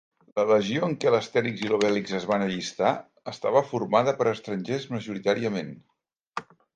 La legió en què l'Astérix i l'Obélix es van allistar estava formada per estrangers majoritàriament.